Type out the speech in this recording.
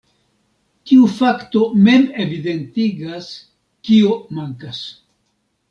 Tiu fakto mem evidentigas, kio mankas.